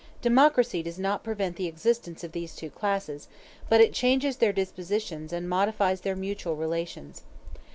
Democracy does not prevent the existence of these two classes, but it changes their dispositions and modifies their mutual relations.